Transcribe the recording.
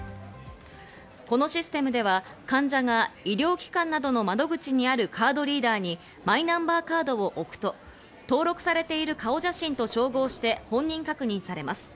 このシステムでは患者が医療機関などの窓口にあるカードリーダーにマイナンバーカードを置くと、登録されてる顔写真と照合して本人確認されます。